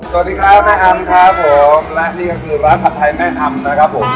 สวัสดีครับแม่อำครับผมและนี่ก็คือร้านผัดไทยแม่อำนะครับผม